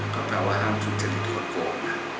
ก็แปลว่าห้ามทุนจนิทขอโฟน